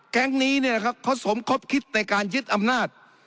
แก๊งนี้เนี่ยนะครับเขาสมคบคิดในการยึดอำนาจ